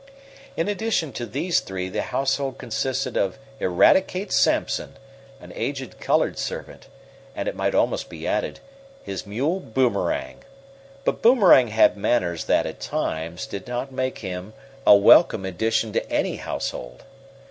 In addition to these three, the household consisted of Eradicate Sampson, an aged colored servant, and, it might almost be added, his mule Boomerang; but Boomerang had manners that, at times, did not make him a welcome addition to any household.